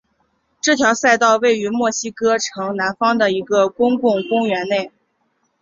这条赛道位于墨西哥城南方的的公共公园内。